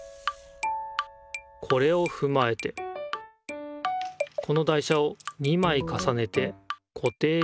これをふまえてこの台車を２まいかさねてこていしてみる。